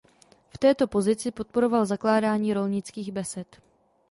V této pozici podporoval zakládání rolnických besed.